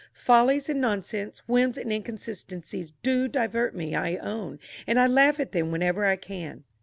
"Follies and nonsense, whims and inconsistencies, do divert me, I own, and I laugh at them whenever I can."